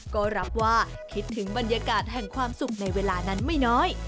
ก็รับว่าคิดถึงบรรยากาศแห่งความสุขในเวลานั้นไม่น้อย